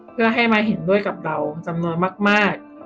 เพื่อให้มาเห็นด้วยกับเราจำนวนมาก